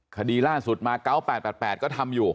คดีล่าสุดมา๙๘๘ก็ทำอยู่